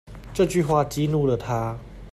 這句話激怒了他